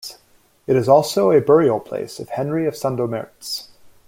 It is also a burial place of Henry of Sandomierz.